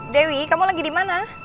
dewi kamu lagi di mana